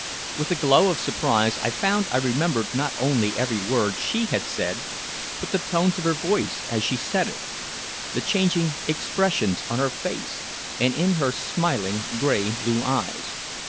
With a glow of surprise I found I remembered not only every word she had said, but the tones of her voice as she said it, the changing expressions on her face and in her smiling gray blue eyes.